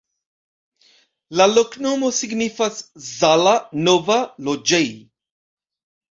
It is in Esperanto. La loknomo signifas: Zala-nova-loĝej'.